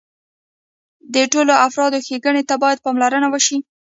د ټولو افرادو ښېګڼې ته باید پاملرنه وشي.